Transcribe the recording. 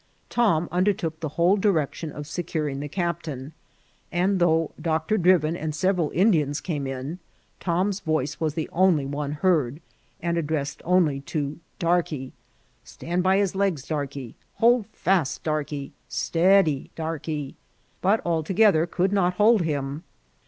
Tom undertook the whole direction of securing the captain ; and although Dr. Drivin and several Indians came in, Tom's voice was the only one heard, and addressed only to ^^ Darkey." " Stand by his legs. Darkey !"" Hold fast. Darkey !'*'^ Steady, Darkey!" but all together could not hold him.